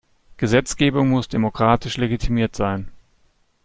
Gesetzgebung muss demokratisch legitimiert sein.